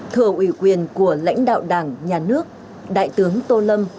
thừa ủy quyền của lãnh đạo đảng nhà nước đại tướng tô lâm